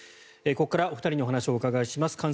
ここからお二人にお話をお伺いします。